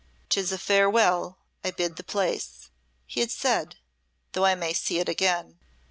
"'Tis a farewell I bid the place," he had said, "though I may see it again.